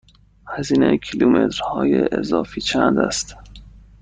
هزینه کیلومترهای اضافه چند است؟